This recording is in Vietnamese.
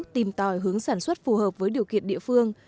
tìm tòi hướng sản xuất phù hợp với điều kiện địa phương